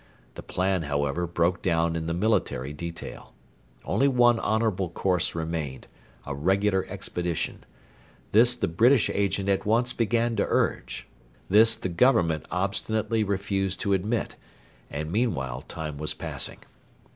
The plan, however, broke down in the military detail. Only one honourable course remained a regular expedition. This the British Agent at once began to urge. This the Government obstinately refused to admit; and meanwhile time was passing.